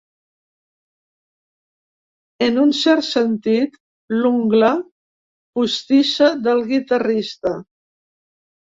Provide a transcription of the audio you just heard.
En un cert sentit, l'ungla postissa del guitarrista.